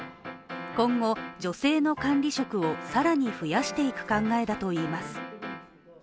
今後、女性の管理職を更に増やしていく考えだといいます。